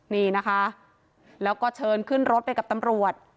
นี่นะคะแล้วก็เชิญขึ้นรถไปกับตำรวจ